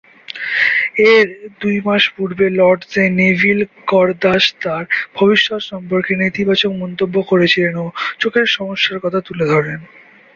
এর দুই মাস পূর্বে লর্ডসে নেভিল কারদাস তার ভবিষ্যৎ সম্পর্কে নেতিবাচক মন্তব্য করেছিলেন ও চোখের সমস্যার কথা তুলে ধরেন।